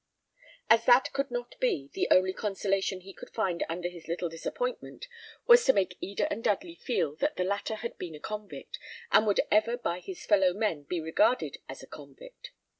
_ As that could not be, the only consolation he could find under his little disappointment was to make Eda and Dudley feel that the latter had been a convict, and would ever by his fellow men be regarded as a convict.